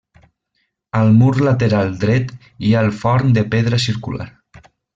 Al mur lateral dret hi ha el forn de pedra circular.